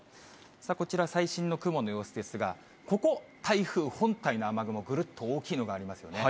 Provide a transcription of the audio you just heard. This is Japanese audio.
さあ、こちら、最新の雲の様子ですが、ここ、台風本体の雨雲、ぐるっと大きいのがありますよね。